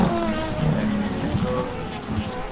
電糋鍋